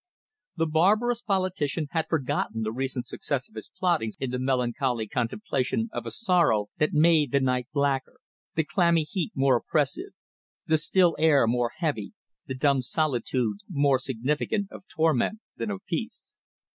The barbarous politician had forgotten the recent success of his plottings in the melancholy contemplation of a sorrow that made the night blacker, the clammy heat more oppressive, the still air more heavy, the dumb solitude more significant of torment than of peace.